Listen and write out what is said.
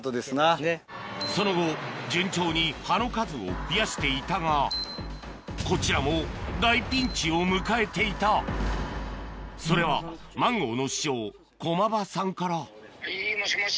その後順調に葉の数を増やしていたがこちらも大ピンチを迎えていたそれはマンゴーの師匠駒場さんからはいもしもし。